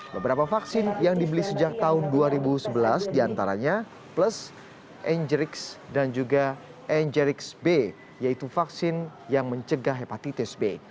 beberapa vaksin yang dibeli sejak tahun dua ribu sebelas diantaranya plus angerix dan juga angerix b yaitu vaksin yang mencegah hepatitis b